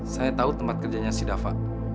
saya tahu tempat kerjanya si dava